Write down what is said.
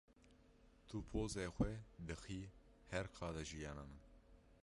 Tu pozê xwe dixî her qada jiyana min.